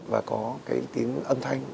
và có cái tiếng âm thanh